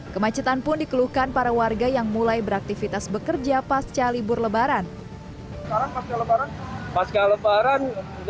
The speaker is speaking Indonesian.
kemacetan pun dikeluhkan para warga yang mulai beraktivitas bekerja pasca libur lebaran